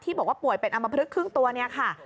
บอกว่าป่วยเป็นอำมพลึกครึ่งตัวเนี่ยค่ะ